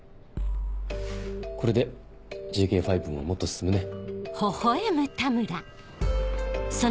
これでＪＫ５ももっと進むね。